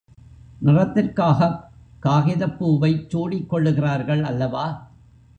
நிறத்திற்காகக் காகிதப் பூவைச் சூடிக் கொள்ளுகிறார்கள் அல்லவா?